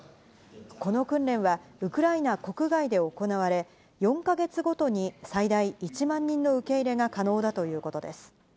この訓練は、ウクライナ国外で行われ、４か月ごとに、最大１万人の受け入れが可能だということです。